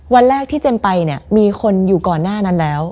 วันแรกที่เจมส์ไปเนี่ยมีคนอยู่ก่อนหน้านั้นแล้ว